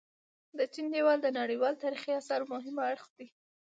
د چين ديوال د نړيوال تاريخي اثارو مهم اړخ دي.